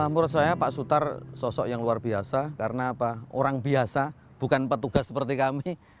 menurut saya pak sutar sosok yang luar biasa karena orang biasa bukan petugas seperti kami